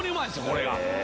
これが。